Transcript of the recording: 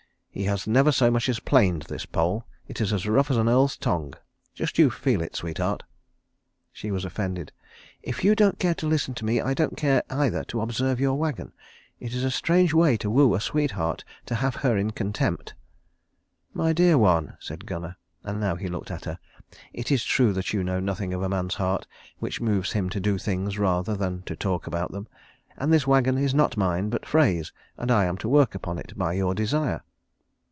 He has never so much as planed this pole. It is as rough as an earl's tongue. Just you feel it, sweetheart." She was offended. "If you don't care to listen to me, I don't care either to observe your wagon. It is a strange way to woo a sweetheart to have her in contempt." "My dear one," said Gunnar and now he looked at her "it is true that you know nothing of a man's heart, which moves him to do things rather than to talk about them. And this wagon is not mine, but Frey's, and I am to work upon it by your desire."